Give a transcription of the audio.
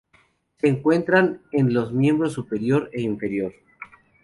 Se encuentran en los miembros superior e inferior.